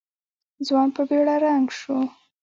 ځوان په بېړه رنګ شو.